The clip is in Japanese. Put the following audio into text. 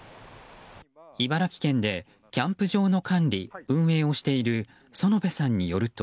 茨城県でキャンプ場の管理・運営をしている園部さんによると。